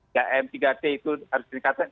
ya m tiga c itu harus dikatakan